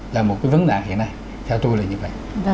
là một cái vấn nạn hiện nay theo tôi là như vậy